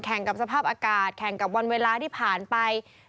กับสภาพอากาศแข่งกับวันเวลาที่ผ่านไป